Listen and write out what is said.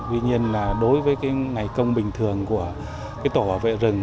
tuy nhiên là đối với cái ngày công bình thường của cái tổ bảo vệ rừng